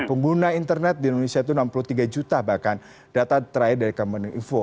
pengguna internet di indonesia itu enam puluh tiga juta bahkan data terakhir dari kemeninfo